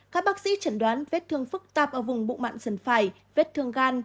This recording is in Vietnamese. các bác sĩ chẩn đoán vết thương phức tạp ở vùng bụng mặn dần phải vết thương gan